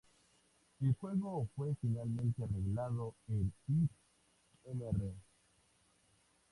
El juego fue finalmente reelaborado en It's Mr.